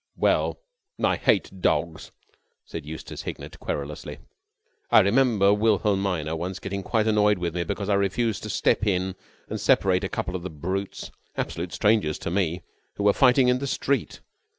"Well, I hate dogs," said Eustace Hignett querulously. "I remember Wilhelmina once getting quite annoyed with me because I refused to step in and separate a couple of the brutes, absolute strangers to me, who were fighting in the street.